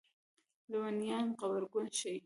لېونیانو غبرګون ښيي.